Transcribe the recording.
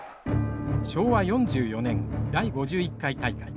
昭和４４年第５１回大会。